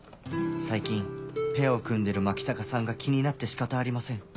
最近ペアを組んでる牧高さんが気になって仕方ありません